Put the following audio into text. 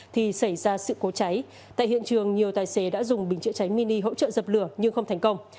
thì xảy ra sự cố cháy tại hiện trường nhiều tài xế đã dùng bình chữa cháy mini hỗ trợ dập lửa nhưng không thành công